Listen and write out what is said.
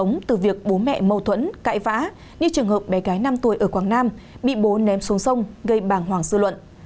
sống từ việc bố mẹ mâu thuẫn cãi vã như trường hợp bé gái năm tuổi ở quảng nam bị bố ném xuống sông gây bàng hoàng dư luận